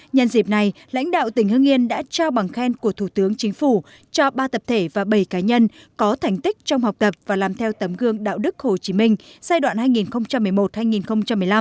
nhân dịp này lãnh đạo tỉnh hưng yên đã trao bằng khen của thủ tướng chính phủ cho ba tập thể và bảy cá nhân có thành tích trong học tập và làm theo tấm gương đạo đức hồ chí minh giai đoạn hai nghìn một mươi một hai nghìn một mươi năm